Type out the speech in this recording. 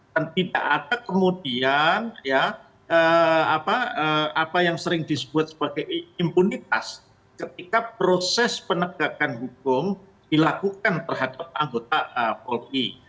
dan tidak ada kemudian ya apa yang sering disebut sebagai impunitas ketika proses penegakan hukum dilakukan terhadap anggota polri